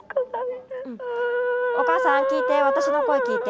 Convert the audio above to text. おかあさん聞いて私の声聞いて。